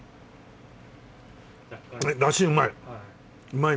だしうまい！